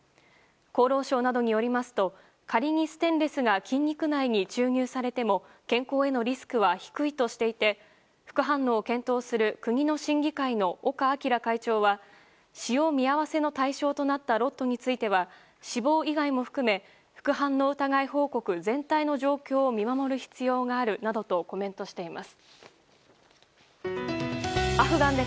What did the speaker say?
厚労省などによりますと仮にステンレスが筋肉内に注入されても健康へのリスクは低いとしていて副反応を検討する、国の審議会の岡明会長は使用見合わせの対象となったロットについては死亡以外も含め副反応疑い報告全体の状況を見守る必要があるなどとコメントしています。